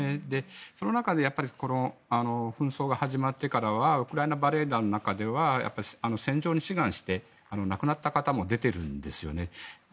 その中で紛争が始まってからはウクライナバレエ団の中では戦場に志願して亡くなった方も出ているんですよね。